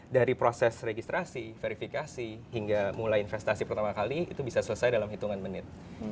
dari proses registrasi verifikasi hingga mulai investasi pertama kali itu bisa selesai dalam hitungan menit